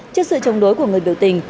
trước sự chống đối của người biểu tình